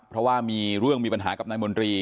เพราะว่ามีเรื่องมีปัญหากับนายมนตรี